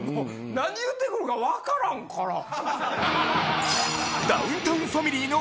何言うてくるか分からんから。